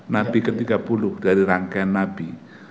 nabi ke tiga puluh dari rangkaian nabi